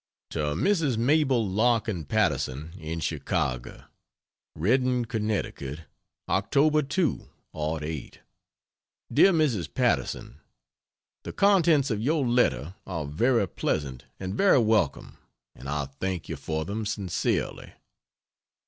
To Mrs. Mabel Larkin Patterson, in Chicago: REDDING, CONNECTICUT, Oct. 2, '08. DEAR MRS. PATTERSON, The contents of your letter are very pleasant and very welcome, and I thank you for them, sincerely.